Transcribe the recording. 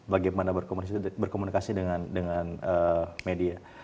bagaimana berkomunikasi dengan media